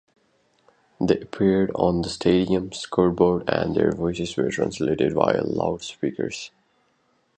They appeared on the stadium's scoreboard and their voices were translated via loud speakers.